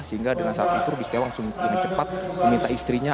sehingga dengan saat itu rubi setiawa langsung dengan cepat meminta istrinya